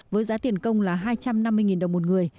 với giá tiền công là hai trăm năm mươi đồng một người